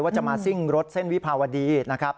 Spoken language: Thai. จะมาซิ่งรถเส้นวิภาวดีนะครับ